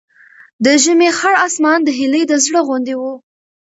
د ژمي خړ اسمان د هیلې د زړه غوندې و.